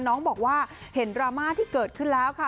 น้องบอกว่าเห็นดราม่าที่เกิดขึ้นแล้วค่ะ